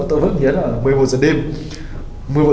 tôi rất nhớ là một mươi một h đêm